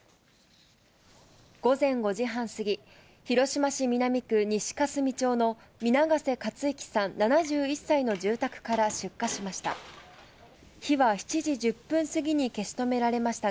午前５時半過ぎ、広島市南区西霞町の皆ケ瀬且生さん７１歳の住宅から出火しました。